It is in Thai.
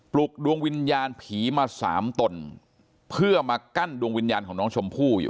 ลุกดวงวิญญาณผีมาสามตนเพื่อมากั้นดวงวิญญาณของน้องชมพู่อยู่